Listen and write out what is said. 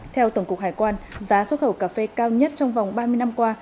theo tổng cục hải quan giá xuất khẩu cà phê cao nhất trong vòng ba mươi năm qua